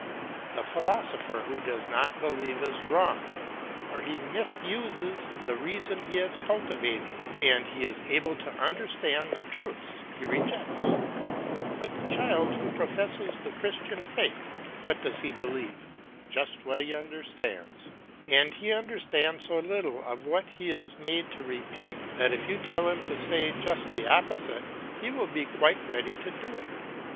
The philosopher who does not believe is wrong, for he misuses the reason he has cultivated, and he is able to understand the truths he rejects. But the child who professes the Christian faith what does he believe? Just what he understands; and he understands so little of what he is made to repeat that if you tell him to say just the opposite he will be quite ready to do it.